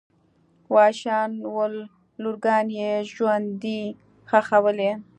وحشیان ول لورګانې ژوندۍ ښخولې.